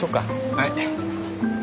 はい。